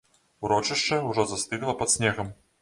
Урочышча ўжо застыгла пад снегам.